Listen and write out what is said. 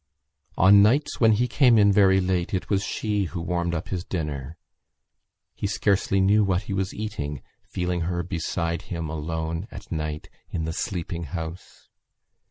On nights when he came in very late it was she who warmed up his dinner. He scarcely knew what he was eating, feeling her beside him alone, at night, in the sleeping house.